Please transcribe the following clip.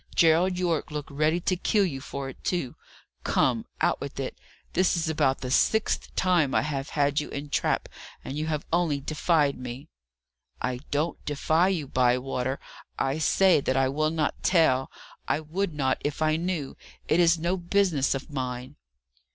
Gerald Yorke looked ready to kill you for it, too! Come, out with it. This is about the sixth time I have had you in trap, and you have only defied me." "I don't defy you, Bywater. I say that I will not tell. I would not if I knew. It is no business of mine."